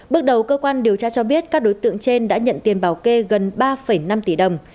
bước đầu cơ quan điều tra cho biết các đối tượng trên đã nhận tiền bảo kê gần ba năm tỷ đồng